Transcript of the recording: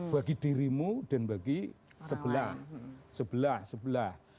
bagi dirimu dan bagi sebelah sebelah